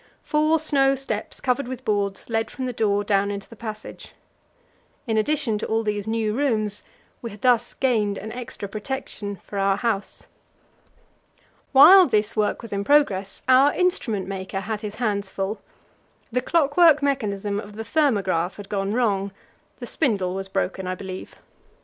Four snow steps covered with boards led from the door down into the passage. In addition to all these new rooms, we had thus gained an extra protection for our house. While this work was in progress, our instrument maker had his hands full; the clockwork mechanism of the thermograph had gone wrong: the spindle was broken, I believe.